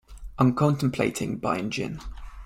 I’m contemplating buying gin.